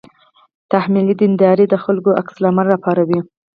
تحمیلي دینداري د خلکو عکس العمل راپاروي.